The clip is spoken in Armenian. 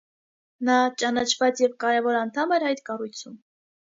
Նա ճանաչված և կարևոր անդամ էր այդ կառույցում։